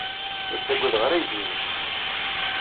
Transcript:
Ur ttaggadeɣ ara aydi-nnek.